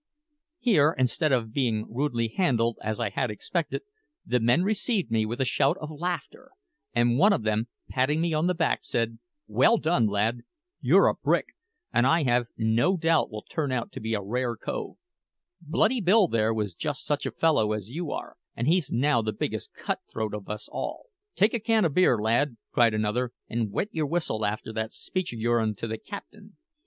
Here, instead of being rudely handled, as I had expected, the men received me with a shout of laughter; and one of them, patting me on the back, said, "Well done, lad! You're a brick, and I have no doubt will turn out a rare cove. Bloody Bill there was just such a fellow as you are, and he's now the biggest cut throat of us all." "Take a can of beer, lad," cried another, "and wet your whistle after that speech o' your'n to the captain.